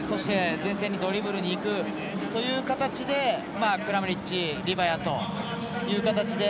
前線にドリブルに行くという形でクラマリッチ、リバヤという形で。